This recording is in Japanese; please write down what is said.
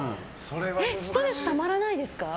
ストレスたまらないですか？